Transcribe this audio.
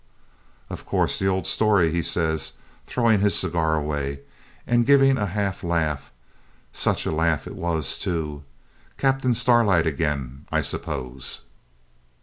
'Of course, the old story,' he says, throwing his cigar away, and giving a half laugh such a laugh it was, too. 'Captain Starlight again, I suppose.